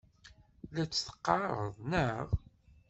La tt-teqqareḍ, naɣ?